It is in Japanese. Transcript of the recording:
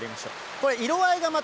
これ、色合いがまた。